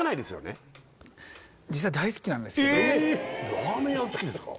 ラーメン屋が好きですか？